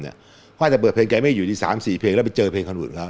เพราะอาจจะเปิดเพลงแกไม่อยู่ดี๓๔เพลงแล้วไปเจอเพลงคนอื่นเขา